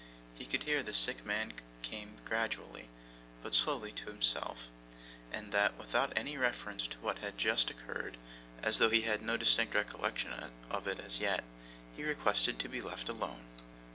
He could hear that the sick man came gradually, but slowly, to himself, and that without any reference to what had just occurred, as though he had no distinct recollection of it as yet, he requested to be left alone.